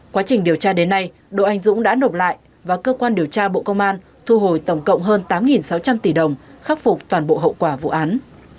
quá trình điều tra đến nay đỗ anh dũng đã nộp lại và cơ quan điều tra bộ công an thu hồi tổng cộng hơn tám sáu trăm linh tỷ đồng khắc phục toàn bộ hậu quả vụ án